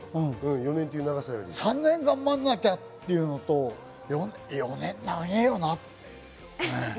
３年頑張んなきゃっていうのと、４年長ぇよなって。